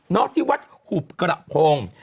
ที่วัดหุบกระโพง